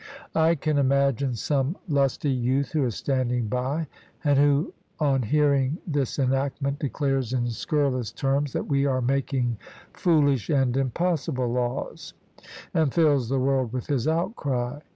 I can imagine some lusty youth who is standing by, and who, on hearing this enactment, declares in scurrilous terms that we are making foolish and impossible laws, and fills the world with his outcry.